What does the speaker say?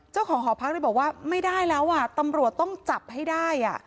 เจ้าของหอพักเลยบอกว่าไม่ได้แล้วอ่ะตำรวจต้องจับให้ได้